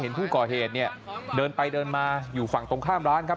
ผู้ก่อเหตุเนี่ยเดินไปเดินมาอยู่ฝั่งตรงข้ามร้านครับ